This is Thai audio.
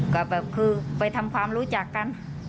ก็แบบคือไปทำความรู้จักกัน